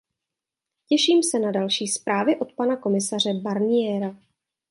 Těším se na další zprávy od pana komisaře Barniera.